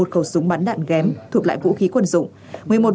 một khẩu súng bắn đạn ghém thuộc lại vũ khí quân dụng